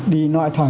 đi nội thoại